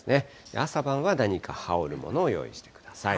朝晩は何か羽織るものを用意してください。